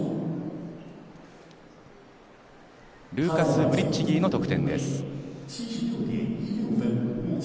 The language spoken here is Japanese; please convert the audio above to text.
ルーカス・ブリッチギーの得点です。